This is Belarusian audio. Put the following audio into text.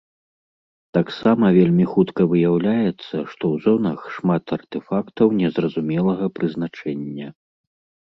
Таксама вельмі хутка выяўляецца, што ў зонах шмат артэфактаў незразумелага прызначэння.